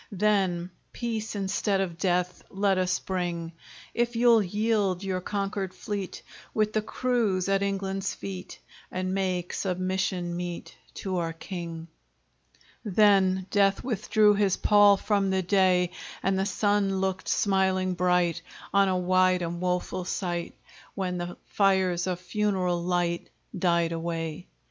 Then, peace instead of death Let us bring! If you'll yield your conquered fleet, With the crews, at England's feet, And make submission meet To our king! Then death withdrew his pall From the day; And the sun looked smiling bright On a wide and woful sight, Where the fires of funeral light Died away.